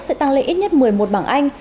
sẽ tăng lên ít nhất một mươi một bảng anh